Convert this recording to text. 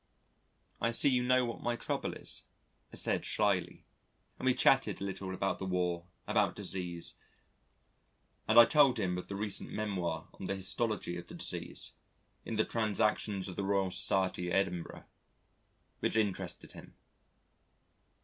"I see you know what my trouble is," I said shyly. And we chatted a little about the War, about disease, and I told him of the recent memoir on the histology of the disease in the Trans. Roy. Soc, Edin. which interested him.